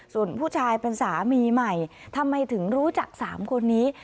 ส่วนผู้ชายเป็นสามีใหม่ทำไมถึงรู้จัก๓คนนี้